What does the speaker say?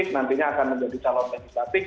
nantinya akan menjadi calon legislatif